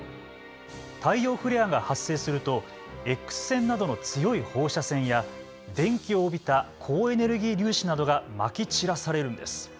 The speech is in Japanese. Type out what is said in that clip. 太陽フレアが発生すると、Ｘ線などの強い放射線や電気を帯びた高エネルギー粒子などがまき散らされるんです。